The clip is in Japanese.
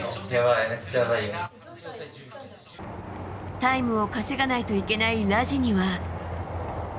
タイムを稼がないといけないラジニは。